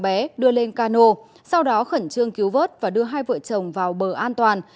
bé đưa lên cano sau đó khẩn trương cứu vớt và đưa hai vợ chồng vào bờ an toàn